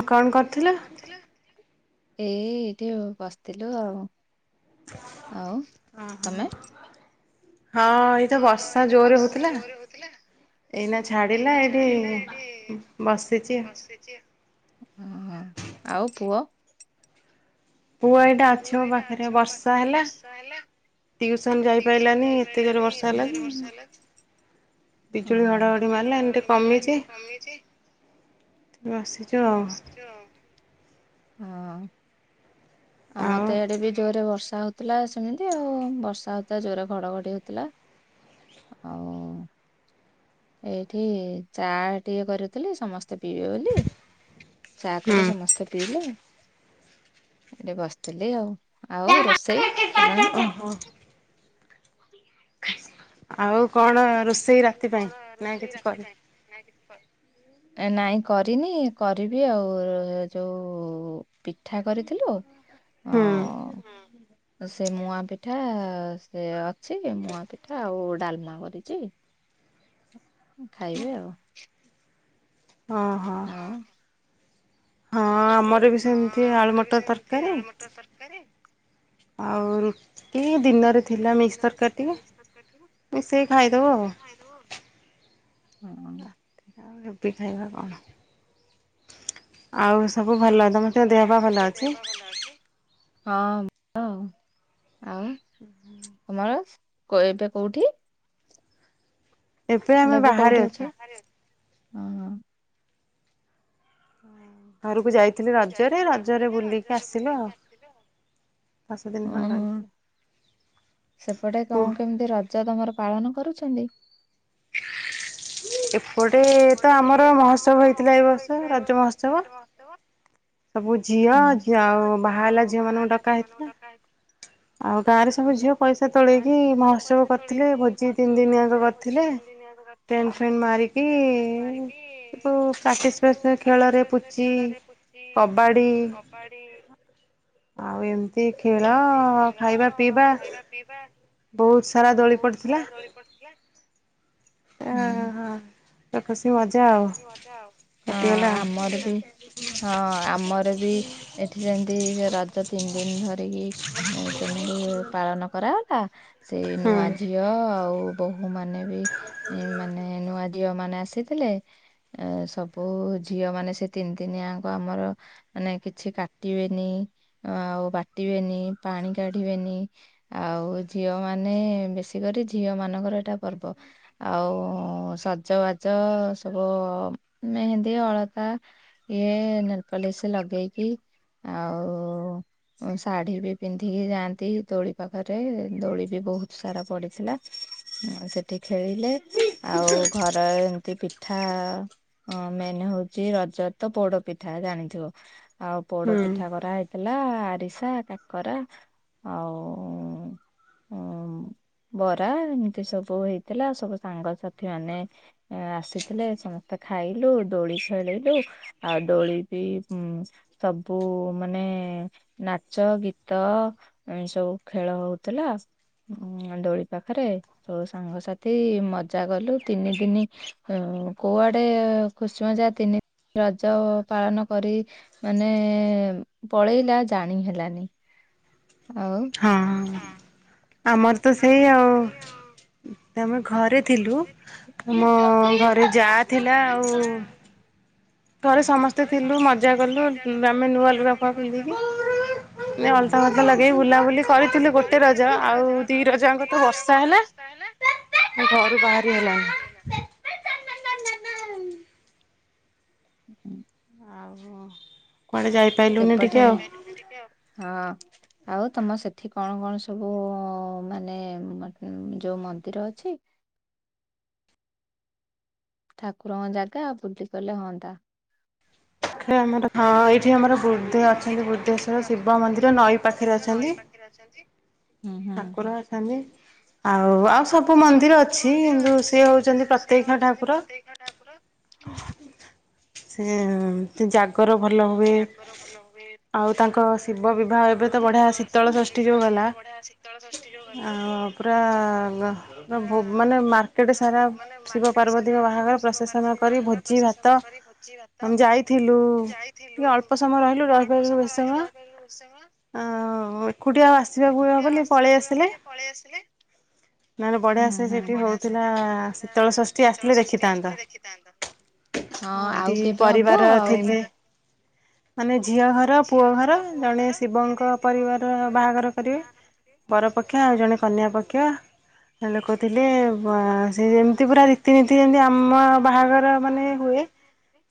ହଁ କଣ କରିୁଥିଲ? ଏଇ ଏଇଠି ଆଉ ବସିଥିଲୁ ଆଉ। ଆଉ ତମେ? ହଁ ଏଇ ତ ବର୍ଷା ଜୋରରେ ହଉଥିଲା ଏଇନା ଛାଡିଲା ଏଇଟି ବସିଛି ଆଉ। ଓ ହ ଆଉ ପୁଅ? ପୁଅ ଏଇଟା ଅଛି ମୋ ପାଖରେ ବର୍ଷା ହେଲା। ଟିଉସନ ଯାଇପାରିଲାନି ଏତେ ଜୋର ବର୍ଷା ହେଲା ଯେ ବିଜୁଳି ଓହୋ ଘଡ଼ଘଡ଼ି ବିଜୁଳି ମାରିଲା ଏଇନେ ଘଡ଼ଘଡ଼ି ମାରିଲା ଏଇନେ ଟିକେ କମିଚି। ବସିିଚୁ ଆଉ। ହଁ। ଆମର ଆଉ ତ ଏଆଡେ ବି ଜୋରରେ ବର୍ଷା ହଉ ଥିଲା ସେମିତି ଆଉ ବର୍ଷା ହଉଥିଲା ଜୋରେ ଘଡଘଡି ହଉଥିଲା। ଆଉ ଏଇଠି ଚା ଟିକେ କରିଥିଲି ସମସ୍ତେ ତେ ପିଇବେ ବୋଲି ଚା ହୁଁ କଲି ସମସ୍ତେ ପିଇଲେ। ଏଠି ବସିଥିଲି ଆଉ ଆଉ ରୋଷେଇ? କଲାଣି? ଓହୋ। ଆଉ କଣ ରୋଷେଇ ରାତି ପାଇଁ ନା କିଛି କରି [inaudible] ନାଇଁ କରିନି କରିବି ଆଉ ଯୋଉ ପିଠା କରିଥିଲୁ। ଓ ହୁଁ ସେ ମୁଆଁ ପିଠା ସେ ଅଛି ମୁଆଁ ପିଠା ଆଉ ଡାଲମା କରିଚି। ଖାଇବେ ଆଉ। ଓଁ ହୋ ହଁ ଆମ୍ ଆମର ବି ସେମିତି ଆଳୁ ମଟର ତରକାରୀ ଆଉ ରୁଟି। ଦିନରେ ଥିଲା ମିକ୍ସ ତରକାରୀ ଟିକେ ମିଶାଇକି ଖାଇଦବ ଆଉ। ହୁଁ। ତି ଖାଇବା କଣ? ଆଉ ସବୁ ଆଉ ଭଲ ସବୁ ତମର ଦେହ ଭଲ ପା ତମର ସବୁ ଦେହ ଅଛି? ପା ଭଲ ଅଛି? ହଁ ଭଲ ଆଉ। ଆଉ ତମର ଏବେ କୋଉଠି? ଆମେ ଲେ ଏବେ ବାହାରେ କୋଉଠି ଅଛୁ ଅଛ ହ ହ। ଘରକୁ ଯାଇ ଘରକୁ ଯାଇଥିଲି ରଜରେ ରଜରେ ଆଉ। ବୁଲିକି ଆସଥିଲି ଆଉ। ଦଶ ଦିନ ଖଣ୍ଡେ ରହିକି। ସେପଟେ ପୁଅ କଣ କେମିତି ରଜ ତମର ପାଳନ କରୁଛନ୍ତି? ଏପଟେ ତ ଆମର ମହୋତ୍ସବ ହେଇଥିଲା ଏ ବର୍ଷ ରଜ ମହୋତ୍ସବ। ସବୁ ଝିଅ ହଁ ଝିଅ ଆଉ ବାହା ହେଲା ଝିଅ ମାନଙ୍କୁ ଡକା ହେଇଥିଲା। ହ ଆଉ ଗାଁ ରେ ସବୁ ଝିଅ ପଇସା ତୋଳେଇକି ମହୋତ୍ସବ କରିଥିଲେ ଭୋଜି ତିନି ଦିନଆକ କରିଥିଲେ। ଟେଣ୍ଡ ଫ୍ରେଣ୍ଡ ମାରିକି ଫ ମାରିକି ସବୁ ପ୍ରାକ୍ଟିସ୍ ପ୍ରାକ୍ଟିସ୍ ଖେଳରେ ପାଟିସିପେଟ୍ ପୁଚି ଖେଳରେ ପୂଚି। କବାଡ଼ି କବାଡ଼ି ଆଉ ଏମିତି ଖେଳ ଖାଇବା ପିଇବା ବହୁତ ସାରା ଦୋଳି ପଡିଥିଲା। ହୁଁ। ମଜା ଆଉ ହଁ କଟିଗଲା ଆମର ବି ହଁ ଆମର ବି ଏଠି ଯେମିତି ରଜ ତିନି ଦିନ ଧରିକି ସେମିତି ପାଳନ କରାଗଲା ସେଇ ହୁଁ ନୂଆ ଝିଅ ଆଉ ବୋହୂ ମାନେ ବି ମାନେ ନୂଆ ଝିଅ ମାନେ ଆସିଥିଲେ। ଏ ସବୁ ଝିଅ ମାନେ ସେ ତିନି ତିନିଆଙ୍କ ଆମର ମାନେ କିଛି କାଟିବେନି। ଆଉ ବାଟିବେନି ପାଣି କାଢିବେନି ଆଉ ଝିଅ ମାନେ ବେଶୀ କରି ଝିଅ ମାନଙ୍କର ଏଇଟା ପର୍ବ ଆଉ ସଜବାଜ ସବୁ ମେହେନ୍ଦୀ ଅଳତା ଇଏ ନେଲପା ଲିସ ଲଗେଇକି ଆଉ ଶାଢୀ ବି ପିନ୍ଧିକି ଯାଆନ୍ତି ଦୋଳି ପାଖରେ ଦୋଳି ବି ବହୁତ ସାରା ପଡିଥିଲା। ହ ସେଠି ଖେଳିଲେ ଆଉ ଘର ଏମତି ପି ପିଠା ଉଁ ମେନ୍ ହଉଛି ରଜତ ପୋଡ ପିଠା ଜାଣିଥିବ। ଆଉ ପୋଡ ହୁଁ ପିଠା କରାହେଇ ଲା ଆରିସା କାକରା ଆଉ ଉ ବରା ଏମିତି ସବୁ ହେଇଥିଲା ସବୁ ସାଙ୍ଗସାଥି ମାନେ ଆସି ଥିଲେ ସମସ୍ତେ ଖାଇଲୁ ଦୋଳି ଖେଳିଲୁ ଆଉ ଦୋଳି ବି ସବୁ ମାନେ ନାଚ ଗୀତ ସବୁ ଖେଳ ହଉଥିଲା। ଉଁ ଦୋଳି ପାଖରେ ସବୁ ସାଙ୍ଗସାଥି ମଜା କଲୁ ତିନି ଦିନି ହଁ କୋଆଡେ ଖୁସିମଜା ତିନି ରଜ ପାଳନ କରି ମାନେ ପଳେଇଲା ଜାଣି ହେଲାନି। ଆଉ ହଁ ହଁ ଆମର ତ ସେଇ ଆଉ ତମେ ଘରେ ଥିଲୁ ଆମ ଘରେ ଯା ଥିଲା ଆଉ ଘରେ ଥରେ ଥିଲୁ ସମସ୍ତେ ମଜା ପିନ୍ଧୁ କଲୁ ମଜା ଆମେ ନୂଆ କଲୁ ଲୁଗା ଆମେ ଫୁଗା ନୂଆ ପିନ୍ଧିକି ଲୁଗାଫୁଗା ପିନ୍ଧିକି। ଏଇ ଅଳତା ଲଗେଇ ଫଳତା ଲଗେଇ କରିଥିଲୁ ବୁଲାବୁଲି ଗୋଟେ ରଜ କରିଥିଲୁ ଗୋଟେ ଆଉ ରଜ ଦି ଆଉ ଦି ରଜଙ୍କ ତ ବର୍ଷ ହେଲା। ଏ ଘରୁ ବାହାରି ହେଲାଣି। ହୁଁ। ଆଉ କୁଆଡ଼େ ଯାଇପାଇଲୁନି ଚେପଲ ଟିକେ ଆଉ। ହଁ ଆଉ ତମ ସେଠି କଣ କଣ ସବୁ ମାନେ ଯୋଉ ମନ୍ଦିର ଅଛି? ଠାକୁରଙ୍କ ଜାଗା ଆଉ ବୁଲି ଗଲେ ହଅନ୍ତା। ଖାଲି ଆମର ହଁ ଏଇଠି ଆମର ବୁଦ୍ଧେ ହଁ ଅଛନ୍ତି ଏଠି ଆମର ବୁଦ୍ଧେଶ୍ଵର ବୁଧେ ଶିବ ଅଛନ୍ତି ମନ୍ଦିର ବୁଧେଶ୍ୱର ନଈ ଶିବ ପାଖରେ ମନ୍ଦିର ନଈ ଅଛନ୍ତି। ପାଖରେ ଅଛନ୍ତି। ଠାକୁର ଅଛନ୍ତି। ଆଉ ଆଉ ସବୁ ମନ୍ଦିର ଅଛି କିନ୍ତୁ ସିଏ ହଉଛନ୍ତି ପ୍ରତ୍ୟକ୍ଷ ଠାକୁର। ସେ ହ କର ଭଲ ହୁଏ। ଆଉ ତାଙ୍କର ଶିବ ବିବାହ, ଏବେ ତ ବଢିଆ ଶୀତଳ ଷଷ୍ଠୀ ଯୋଉ ଗଲା। ତଳ ଷଷ୍ଠୀ ଜଉଗଲା ଆଉ ପୁରା ପୁରା ପୁରା ମାନେ ମାର୍କେଟ ସାରା [unintelligible] ମାନେ ଶିବ ମାରକେ - ପାର୍ବତୀଙ୍କ ବାହାଘର ପ୍ରସେସନ କରି ଭୋଜି ଭାତ ଆମେ ଯାଇଥିଲୁ। ଟିକେ ଅଳ୍ପ ସମୟ ରହିଲୁ, ରହି ପାରଲୁନି ବେଶି ସମୟ। ଆଆ ଏକୁଟିିଆ ଆସିବାକୁ [unintelligible] ବୋଲି ପଳେଇ ପୁରା ଆସିଲେ। ବୁଲି ପଳେଇ ଆସିଲି। ନହେଲେ ବଢ଼ିଆ ହୁଁ ସେ ହଁ ସେଠି ବଢିଆ ସେ ହଉଥିଲା ସେଠି ଶୀତଳ ହଉଥିଲା- ଷଷ୍ଠୀ ଶୀତଳ ଆସିଥିଲେ ଷଷ୍ଠୀ ଦେଖିଥାନ୍ତ। ଆସିଥିଲେ ଦେଖିଥାନ୍ତ। ହଁ ଆ ଦି ଆଉ କେବେ ହବ ପରିବାର ଆଉ ଥିଲେ ମାନେ ଝିଅ ଘର ପୁଅ ଘର ଜଣେ ଶିବଙ୍କ ପରିବାର ଅ ବାହାଘର କରିବେ। ବରପକ୍ଷ ଆଉ ଜଣେ କନ୍ୟା ପକ୍ଷ। ଲୋକ ଥିଲେ। ବଁ ସେ ଯେମିତି ପୁରା ରୀତିନୀତି ଯେମତି ଆମ ବାହାଘର ମାନେ ହୁଏ। ଏ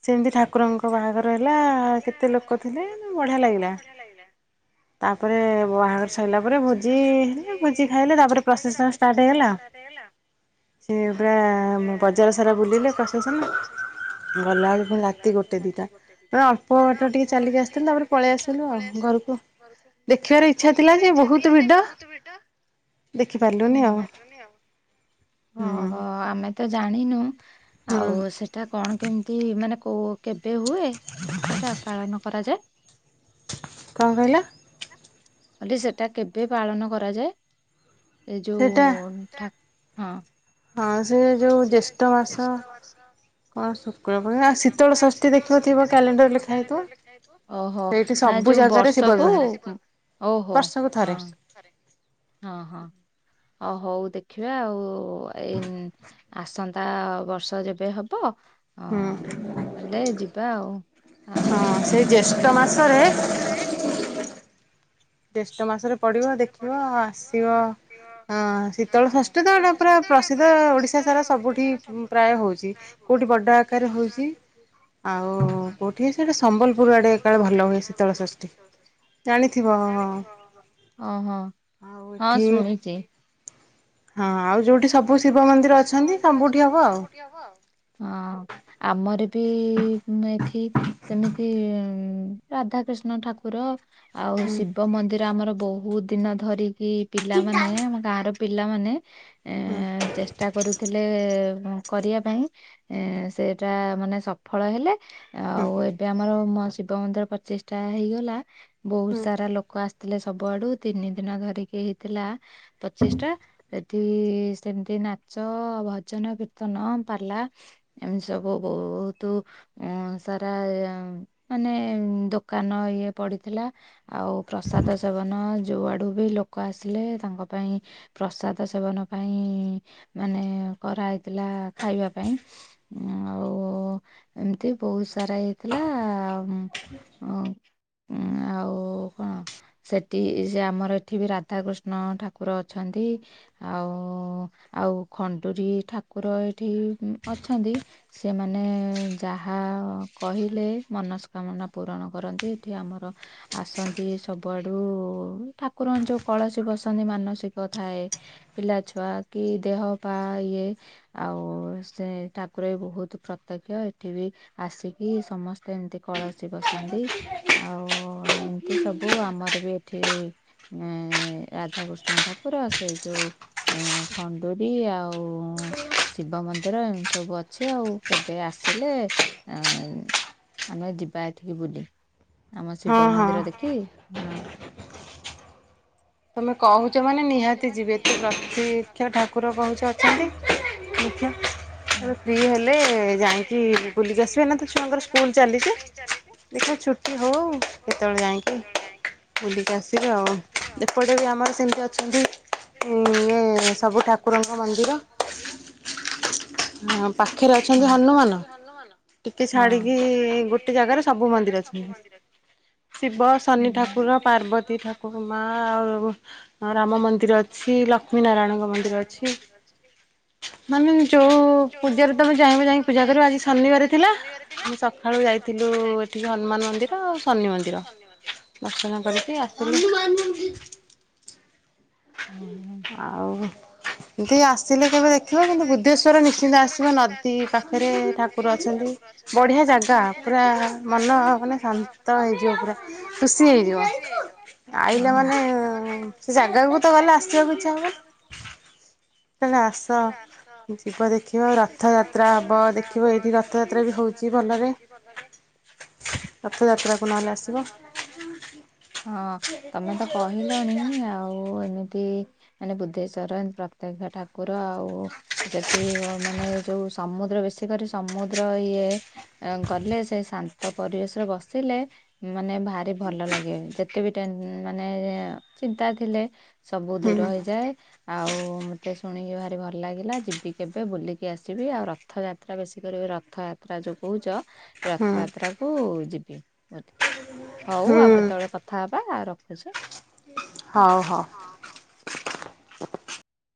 ସେମିତି ଠାକୁରଙ୍କ ବାହାଘର ହେଲା- କେତେ ଲୋକ ଥିଲେ? ଉଁ ବଢିଆ ଲାଗିଲା। ତାପରେ ବାହାଘର ସଇଲା ପରେ ଭୋଜ୍ ତାପରେ ଭୋଜି, ଭୋଜି ଖାଇଲେ। ତାପରେ ଷ୍ଟାର୍ଟ ହେଇଗଲା। ପ୍ରସେସନ୍ ଷ୍ଟାର୍ଟ ହେଇଗଲା। ସେ ପୁରା ବଜାର ସାରା ବୁଲିଲେ ପ୍ରଶେସନ। ଗଲାବେଳୁ ପୁଣି ରାତି ଗୋଟେ ଦିଟା। ତମେ ଅଳ୍ପ ବାଟ ଟିକେ ଚାଲିକି ଆସ୍ ଟିକେ ଚାଲିକି ଆସୁଥିଲୁ। ତାପରେ ପଳେଇ ଆସିଲୁ ଆଉ ଘରକୁ ଦେଖିବାର ଇଚ୍ଛା ଥିଲା ଦେଖିବାର ଯେ ଇଚ୍ଛା ଥିଲା ବହୁତ ଲା ଯେ ସେ ଭିଡ ବହୁତ ଭିଡ। ହୁଁ ଦେଖିପାରିଲୁନି ଆଉ ହୁଁ। ଦେଖିପାରିଲୁନି ଆଉ। ଅ ହ ଆମେ ତ ଜାଣିନୁ ହୁଁ ଆଉ ସେଟା କଣ କେମିତି ମାନେ କ୍ ଓ କେବେ ହୁଏ? ସେଟା ପାଳନ କରାଯାଏ କଣ କହିଲ? କହିଲି ସେଟା କେବେ ପାଳନ କରାଯାଏ? ଏ ସେଇଟା ଯୋଉ ଠାକ୍- ହଁ। ହଁ ସେ ଯେଉ ଜ୍ୟେଷ୍ଠ ମାସ କଣ ଶୁକ୍ଳ ପୂର୍ଣ୍ଣିମା ଶୀତଳ ଆ ଷଷ୍ଠୀ ଶୀତଳ ଦେଖିବ ଥିବ ଷଷ୍ଠୀ ଦେଖିବ କ୍ୟାଲେଣ୍ଡର ଥିବ ଲେଖା ହେଇଥିବ। କ୍ଯାଲେଣ୍ଡର ଲେଖା ହେଇଥିବ। ଓହୋ ସେଇଠି ନା ସବୁ ଯୋଉ ଜାଗାରେ ଶିବ ବର୍ଷକୁ ବିବାହ ଓହୋ ହଁ ବର୍ଷକୁ ଥରେ। ବର୍ଷକୁ ଥରେ। ହଁ ହଁ ଅ ହଉ ଦେଖିବା ଆଉ। ଏଇ ନ୍ ଆସନ୍ତା ବର୍ଷ ଯେବେ ହବ ହୁଁ ଅଁ ତାଲେ ଯିବା ଆଉ। ହଁ ଆଉ ସେଇ ଜ୍ୟେଷ୍ଠ ମାସରେ ସନ୍ତା ମାସରେ ଜ୍ୟେଷ୍ଠ ମାସରେ ପଡ଼ିବ ଦେଖିବ ଆସିବ। ଅଁ ଶୀତଳ ଷଷ୍ଠି ତ ହେଟା ପୁରା [unintelligible] ପ୍ରସିଦ୍ଧ ପରା ଓଡ଼ିଶା ପ୍ରସିଦ୍ଧ ସାରା ଓଡ଼ିଶା ସବୁଠି ସାରା ସବୁଠି ପ୍ରାୟ ହଉଛି। ପ୍ରାୟ କୋଉଠି ବଡ଼ ହଉଛି। ଆକାରରେ ହଉଛି [unintelligible] ଆଉ କୋଉଠି ସେଟା ସମ୍ବଲପୁରୁ ଆଡ଼େ କାଳେ ଭଲ ହୁଏ ଶୀତଳଷଷ୍ଠୀ ଜାଣିଥିବ୍ ଅ ହ ଆଉ ହଁ ଏଠି ଶୁଣିଚି। ହଁ ଆଉ ଯୋଉଟ୍ ହଁ ଆଉ ଯୋଉଠି ସବୁ ଶିବ ମନ୍ଦିର ଅଛନ୍ତି, ଆଉ ତାଙ୍କୁଠି ହବ ଆଉ। ହଁ ଆମରି ବି ମ୍ ଏଠି ସେମିତି ରାଧାକ୍ରିଷ୍ଣ ଠାକୁର ଆଉ ହୁଁ। ଶିବ୍ ର ଆମର ବୋହୁତ ଦିନ ଧରିକି ହୁଁ ପିଲାମାନେ ଆମ ଗାଁ ର ପିଲାମାନେ ହୁଁ ଏଁ ଚେଷ୍ଟା କରୁଥିଲେ କରିବା ପାଇଁ, ଏଁ ସେଟା ମାନେ ସଫଳ ହେଲେ ଆଉ ଏବେ ଆମର ମ ଶିବ ମନ୍ଦିର ପ୍ରଚିଷ୍ଠା ହେଇଗଲା। ବୋହୁତ୍ ସାରା ଲୋ କୋ ଆସିଥିଲେ ସବୁଆଡୁ ତିନି ଦିନ ଧରିକି ହେଇଥିଲା ପଚିଷ୍ଟା ଯଦି ସେ ଏମ୍ ତି ନାଚ, ଭଜନ, କୀର୍ତ୍ତନ, ପାଲା ଏମ୍ ସବୁ ବହୁତୁ ଅଁ ସାରା ଏଁ ମାନେ ଦୋକାନ ଇଏ ପଡିଥିଲା। ଆଉ ପ୍ରସାଦ ସେବନ ଯୋଉ ଆଡ଼ୁ ବି ଲୋକ ଆସିଲେ ତାଙ୍କ ପାଇଁ ପ୍ରସାଦ ସେବନ ପାଇଁ ଇଁ ମାନେ କରାହେଇଥିଲା ଖାଇବା ପାଇଁ ଉଁ ଆଉ ଏମିତି ବୋହୁତ୍ ସାରା ହେଇଥିଲା ମ୍ ଅ ଉଁ ଆଉ କଁ ସେଠି ସେ ଆମର ଏଠି ବି ରାଧାକୃଷ୍ଣ ଠାକୁର ଅଛନ୍ତି ଆଉ ଆଉ ଖଣ୍ଡୁରୀ ଠାକୁର ଏଇଠି ଅଛନ୍ତି ସେମାନେ ଯାହା କହିଲେ ମନସ୍କାମନା ପୂରଣ କରନ୍ତି ଏଠି ଆମର ଆସନ୍ତି ତି ସବୁଆଡୁ ଠାକୁରଙ୍କ ଯୋଉ କଳସୀ ବସନ୍ତି ମାନସିକ ଥାଏ ପିଲା ଛୁ ଆ କି ଦେହ ପା ଇଏ ଆଉ ସେ ଠାକୁର ବି ବୋହୁତ୍ ପ୍ରତ୍ୟକ୍ଷ। ଏଠି ବି ଆସିକି ସମସ୍ତେ ଏମିତି କଳସୀ ବସାନ୍ତି ଆଉ ତି ସବୁ ଆମର ବି ଏଠି ରାଧାକୃଷ୍ଣ ଠାକୁର ସେଇ ଯୋଉ ଉଁ ଖଣ୍ଡୁରି ଆଉ ଶିବ ମନ୍ଦିର ଏମିତି ସବୁ ଅଛି ଆଉ କେବେ ଆସ୍ ଥିଲେ ଆମେ ଯିବା ଏଠିକି ବୁଲି ଆମ ହଁ ଶିବ ହଁ। ମନ୍ଦିର ଦେ ଖି ହଁ। ତମେ କହୁଛ ମାନେ ନିହାତି ଯିବି ଏତେ ପ୍ରତୀକ୍ଷ ଠାକୁର କହୁଛ ଅଛନ୍ତି ନିକ୍ଷା। ଥରେ ଫ୍ରି ହେଲେ ଯାଇକି ବୁଲିକି ଆସିବି ଏଇନା ତ ଛୁଆଙ୍କର ସ୍କୁଲ ଚାଲିଛି ଦେ ଛୁଟି ହଉ କେତେବେଳେ ଯାଇକି ବୁଲିକି ଆସିବି ଆଉ ଏପଟେ ବି ଆମର ସେମିତି ଅଛନ୍ତି ଇଏ ସବୁ ଠାକୁରଙ୍କ ମନ୍ଦିର। ହଁ ପାଖରେ ଅଛନ୍ତି ହନୁମାନ। ଟିକେ ହଁ ଛାଡିକି ଗୋଟେ ଜାଗାରେ ସବୁ ମନ୍ଦିର ଅଛି। ଶିବ ଶନି ଠାକୁର ପାର୍ବତୀ ଠାକୁ ମା ଆଉ ରାମ ମନ୍ଦିର ଅଛି ଲକ୍ଷ୍ମୀ ନାରାୟଣଙ୍କ ମନ୍ଦିର ଅଛି। ମାନେ ଯୋଉ ପୂଜାରେ ତମେ ଚାଇବ ଯାଇକି ପୂଜା କରିବ ଆଜି ଶନିବାର ଥିଲା ଆମେ ସକାଳୁ ଯ ଯାଇଥିଲୁ ଏଠିକି ହନୁମାନ ମନ୍ଦିର ଆଉ ଶନି ମନ୍ଦିର। ଦର୍ଶନ କରିକି ଆସିଲୁ। ହଁ ଆଉ। ଏତି ଆସିଲେ କେବେ ଦେଖିବ କିନ୍ତୁ ବୁଦ୍ଧେଶ୍ୱର ନିଶ୍ଚିନ୍ତ ଆସିବ ନଦୀ ପାଖରେ ଠାକୁର ଅଛନ୍ତି। ବଢିଆ ଜାଗା ପୁରା ମନ ମାନେ ଶାନ୍ତ ହେଇଯିବ ପୁରା ଖୁସି ହେଇଯିବ। ହ। ପିଲା ମାନେ ସେ ଜାଗାକୁ ତ ଗଲେ ଆସିବାକୁ ଇଛା ହବନି ଆସ ଯିବ ଦେଖିବ ରଥଯାତ୍ରା ହବ ଦେଖିବ ଏଇଠି ରଥଯାତ୍ରା ବି ହଉଛି ଭଲ। ହଉଛି ଭଲରେ। ରଥଯାତ୍ରାକୁ ରଥ ନହେଲେ ଯାତ୍ରା ଆସିବ କୁ ନ ହେଲେ ଆସିବ ହଁ। ତମେ ତ କହିଲଣି ଆଉ ଏମିତି ମାନେ ବୁଦ୍ଧେଶ୍ଵର ପ୍ରତ୍ୟକ୍ଷ ଠାକୁ ଠାକୁର ଆଉ ସେଠି ମାନେ ଯୋଉ ସମୁଁ ମିଶି କରି ସମୁଦ୍ର ଇଏ ଗଲେ ସେ ଶାନ୍ତ ପରିବେଶରେ ବସିଲେ ମାନେ ଭାରି ଭଲ ଲାଗେ ଯେତେ ବି ଟେନ ମାନେ ଚିନ୍ତା ଥିଲେ ସବୁ ହୁଁ ଦୂର ହେଇଯାଏ ଆଉ ମତେ ଶୁଣିକି ଭାରି ଭଲ ଲାଗିଲା ଯିବି କେବେ ବୁଲିକି ଆସିବି ଆଉ ରଥଯାତ୍ରା ବେଶୀ କରି ରଥଯାତ୍ରା ଯୋଉ କହୁଚ ହୁଁ ରଥଯାତ୍ରା କୁ ଯିବି ହୋଉ ହୁଁ ଆଉ କେତେବେଳେ କଥା ହବା ଆ ରଖ ହଉ ହଉ।